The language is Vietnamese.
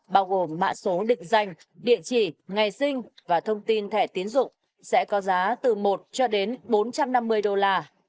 bao gồm mạng số định danh địa chỉ ngày sinh và thông tin thẻ tiến dụng sẽ có giá từ một cho đến bốn trăm năm mươi đô la